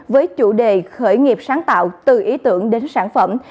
với chủ đề khởi nghiệp sáng tạo từ ý tưởng đến sản phẩm